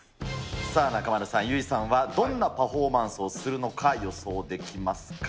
さあ、中丸さん、油井さんはどんなパフォーマンスをするのか、予想できますか。